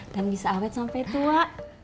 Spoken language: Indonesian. bisa awet sampai tua